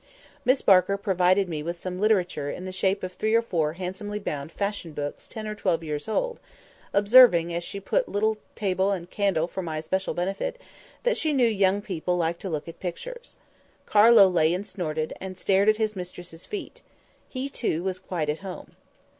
Miss Barker provided me with some literature in the shape of three or four handsomely bound fashion books ten or twelve years old, observing, as she put a little table and a candle for my especial benefit, that she knew young people liked to look at pictures. Carlo lay and snorted, and started at his mistress's feet. He, too, was quite at home.